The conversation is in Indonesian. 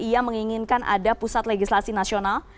ia menginginkan ada pusat legislasi nasional